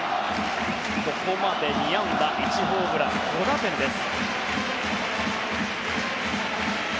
ここまで２安打１ホームラン５打点です。